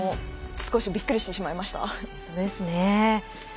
少しびっくりしてしまいました。